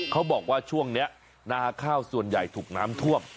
เขาบอกว่าช่วงนี้นาข้าวส่วนใหญ่ถูกน้ำท่วม